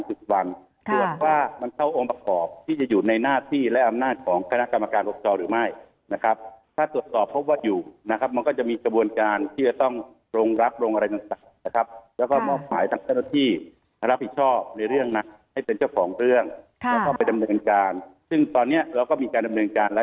ตรวจว่ามันเข้าองค์ประกอบที่จะอยู่ในหน้าที่และอำนาจของคณะกรรมการปกครองหรือไม่นะครับถ้าตรวจสอบพบว่าอยู่นะครับมันก็จะมีกระบวนการที่จะต้องโรงรับโรงอะไรต่างนะครับแล้วก็มอบหมายทางเจ้าหน้าที่ให้รับผิดชอบในเรื่องนะให้เป็นเจ้าของเรื่องแล้วก็ไปดำเนินการซึ่งตอนเนี้ยเราก็มีการดำเนินการแล้ว